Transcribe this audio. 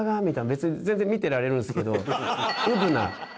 別に全然見てられるんですけど。